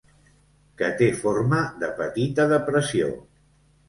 Que té forma de petita depressió.